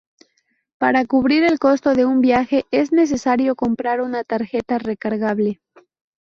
Para cubrir el costo de un viaje es necesario comprar una tarjeta recargable.